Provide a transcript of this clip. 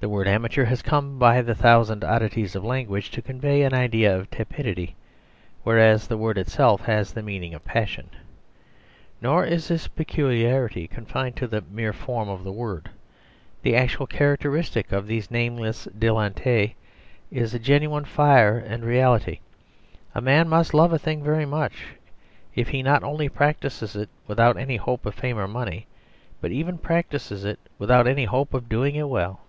The word amateur has come by the thousand oddities of language to convey an idea of tepidity; whereas the word itself has the meaning of passion. Nor is this peculiarity confined to the mere form of the word; the actual characteristic of these nameless dilettanti is a genuine fire and reality. A man must love a thing very much if he not only practises it without any hope of fame or money, but even practises it without any hope of doing it well.